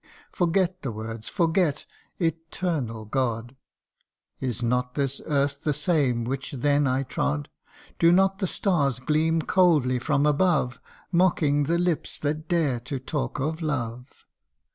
Forget the words forget ! Eternal God ! Is not this earth the same which then I trod ? Do not the stars gleam coldly from above, Mocking the lips that dare to talk of love